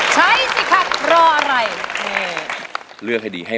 ใช้